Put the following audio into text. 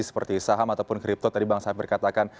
seperti saham ataupun kripto tadi bang safir katakan